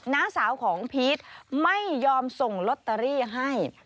น้าสาวของพีชไม่ยอมส่งลอตเตอรี่ให้